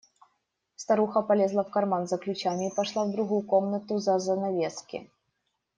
Старуха полезла в карман за ключами и пошла в другую комнату за занавески.